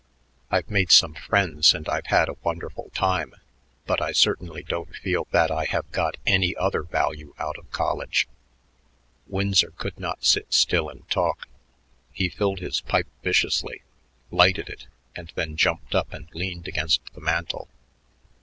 I've made some friends and I've had a wonderful time, but I certainly don't feel that I have got any other value out of college." Winsor could not sit still and talk. He filled his pipe viciously, lighted it, and then jumped up and leaned against the mantel.